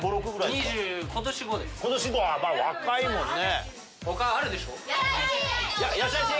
若いもんね。